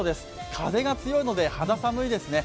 風が強いので、肌寒いですね。